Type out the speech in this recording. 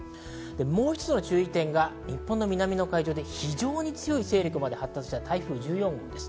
もう一つの注意点、日本の南の海上で非常に強い勢力まで発達した台風１４号。